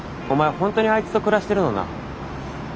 本当にあいつと暮らしてるのな。